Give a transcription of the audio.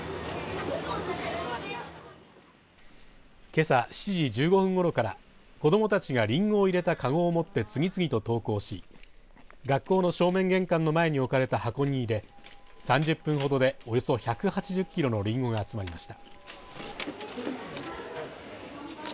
けさ７時１５分ごろから子どもたちがりんごを入れた籠を持って次々と登校し学校の正面玄関の前に置かれた箱に入れ３０分ほどでおよそ１８０キロのりんごが集まりました。